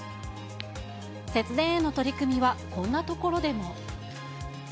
節電への取り組みはこんな所でも。